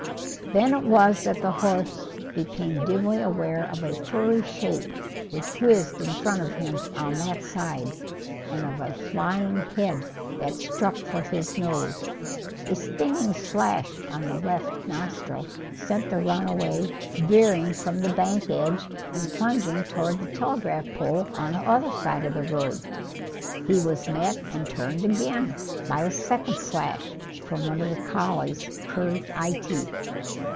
Then it was that the horse became dimly aware of a furry shape which whizzed in front of him on that side, and of a flying head that struck for his nose. A stinging slash on the left nostril sent the runaway veering from the bank edge, and plunging toward the telegraph pole on the other side of the road. He was met and turned again by a second slash from one of the collie's curved eye teeth.